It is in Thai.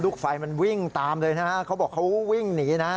ลูกไฟมันวิ่งตามเลยบอกวิ่งหนีนะ